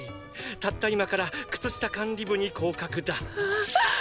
たった今から靴下管理部に降格だ。！！